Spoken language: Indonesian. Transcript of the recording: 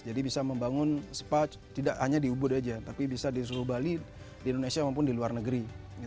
jadi bisa membangun spa tidak hanya di ubud saja tapi bisa di seluruh bali di indonesia maupun di luar negeri